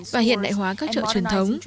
và hiện đại hóa các chợ truyền thống